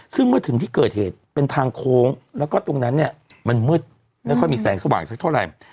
ซึ่งเมื่อถึงที่เกิดเหตุเป็นทางโค้งแล้วก็ตรงนั้นเนี่ยมันมืดไม่ค่อยมีแสงสว่างสักเท่าไหร่